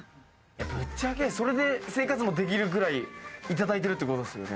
ぶっちゃけ、それで生活できるくらい頂いてるってことですよね。